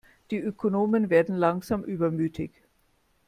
Die Ökonomen werden langsam übermütig.